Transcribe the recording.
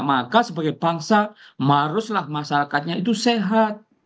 maka sebagai bangsa maruslah masyarakatnya itu sehat